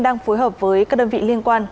đang phối hợp với các đơn vị liên quan